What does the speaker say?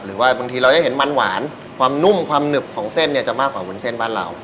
บางทีเราจะเห็นมันหวานความนุ่มความหนึบของเส้นเนี่ยจะมากกว่าวุ้นเส้นบ้านเรา